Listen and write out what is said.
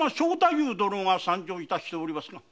夫殿が参上致しておりますが。